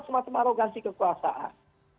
semacam arogansi kekuasaan